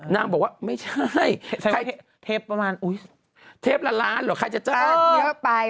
นางบอกว่าไม่ใช่ใครเทปประมาณอุ๊ยเทปละล้านเหรอใครจะจ้างเยอะไป